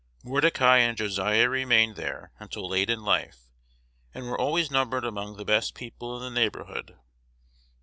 Mor decai and Josiah remained there until late in life, and were always numbered among the best people in the neighborhood.